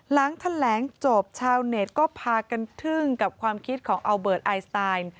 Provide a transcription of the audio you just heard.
หลังแถลงจบชาวเน็ตก็พากันทึ่งกับความคิดของอัลเบิร์ตไอสไตล์